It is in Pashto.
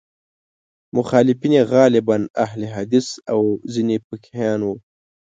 مخالفان یې غالباً اهل حدیث او ځینې فقیهان وو.